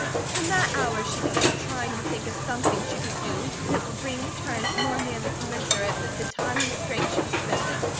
From that hour she began trying to think of something she could do that would bring returns more nearly commensurate with the time and strength she was spending.